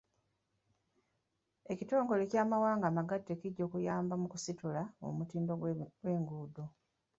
Ekitongole ky'amawanga amagatte kijja kuyamba mu kusitula omutindo gw'enguudo.